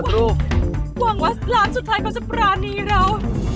หวังว่าร้านสุดท้ายเขาจะปรานีเรา